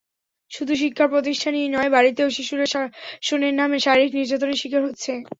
শুধু শিক্ষাপ্রতিষ্ঠানেই নয়, বাড়িতেও শিশুরা শাসনের নামে শারীরিক নির্যাতনের শিকার হচ্ছে।